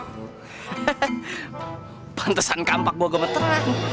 hahaha pantesan kampak gua gemetar